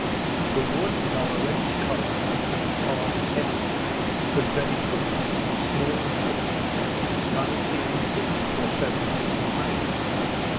The wood is of a reddish colour, and pretty hard and heavy, but very crooked, small, and short, not exceeding six or seven feet in height.